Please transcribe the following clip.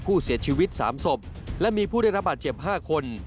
ผู้เสียชีวิต๓ศพและมีผู้ได้รับบาดเจ็บ๕คน